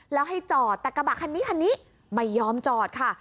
แล้วให้จอดแต่กระบะคันนี้คันนี้ไม่ยอมจอดค่ะ